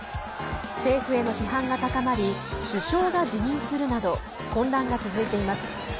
政府への批判が高まり首相が辞任するなど混乱が続いています。